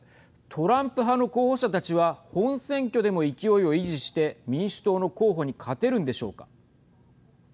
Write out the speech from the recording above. トランプ派の候補者たちは本選挙でも勢いを維持して民主党の候補に勝てるんでしょうか。